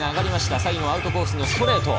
最後はアウトコースのストレート。